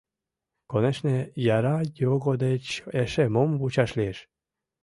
— Конешне, яра його деч эше мом вучаш лиеш!